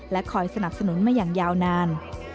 คอยสนับสนุนมาอย่างยาวนาน